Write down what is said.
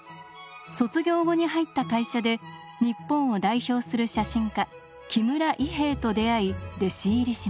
卒業後に入った会社で日本を代表する写真家木村伊兵衛と出会い弟子入りします。